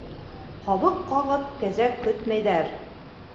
Ҡабыҡ ҡағып кәзә көтмәйҙәр.